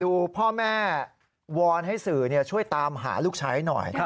พ่อแม่วอนให้สื่อช่วยตามหาลูกชายหน่อย